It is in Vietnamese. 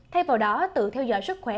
thay vào đó tự theo dõi sức khỏe